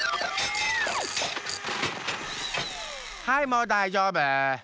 ハイもうだいじょうぶ！